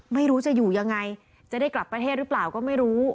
ไม่รู้จะอยู่ยังไงจะได้กลับประเทศหรือเปล่าก็ไม่รู้